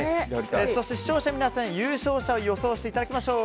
そして、視聴者の皆さんに優勝者を予想していただきましょう。